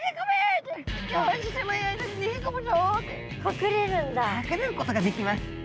隠れることができます。